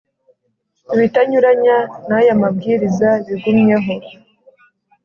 ibitanyuranya n’aya mabwiriza bigumyeho